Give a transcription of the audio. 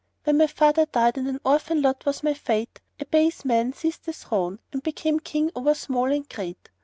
When my father died and an orphan lot was my fate, a base man seized the throne and became King over small and great."